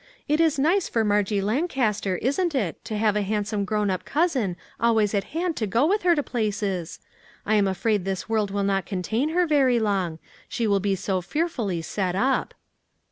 It is nice for Margie Lancaster, isn't it, to have a handsome grown up cousin always at hand to go with her to places? I'm afraid this world will not contain her very long, she will be so fearfully set up."